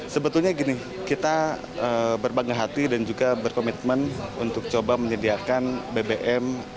sebetulnya gini kita berbangga hati dan juga berkomitmen untuk coba menyediakan bbm